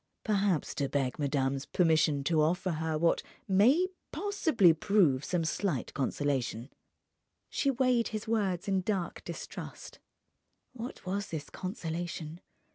"Perhaps to beg madame's permission to offer her what may possibly prove some slight consolation." She weighed his words in dark distrust. What was this consolation?